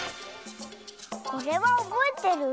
これはおぼえてる？